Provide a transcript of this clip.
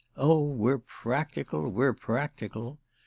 Oh we're practical—we're practical!"